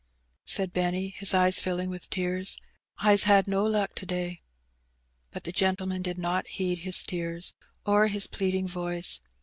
'* said Benny, his eyes filling with tears. '^Ts had no luck to day." But the gentleman did not heed his tears or his pleading voice.